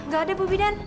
gak ada bu bidan